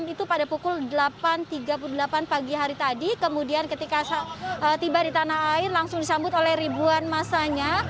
itu pada pukul delapan tiga puluh delapan pagi hari tadi kemudian ketika tiba di tanah air langsung disambut oleh ribuan masanya